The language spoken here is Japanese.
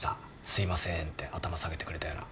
すいません」って頭下げてくれたよな。